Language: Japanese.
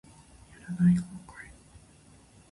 やらない後悔